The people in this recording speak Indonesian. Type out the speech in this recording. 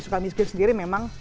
suka miskin sendiri memang